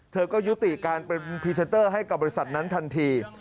เธอก็ยุติการเป็นพรีเซนเตอร์ให้กับบริษัทนั้นทันที